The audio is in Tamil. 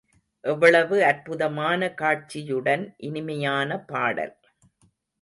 எவ்வளவு அற்புதமான காட்சியுடன், இனிமையான பாடல்.